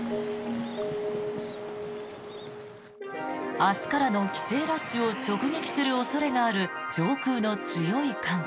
明日からの帰省ラッシュを直撃する恐れがある上空の強い寒気。